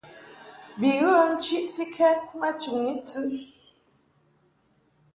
Bi ghə nchiʼtikɛd ma chɨŋni tɨ.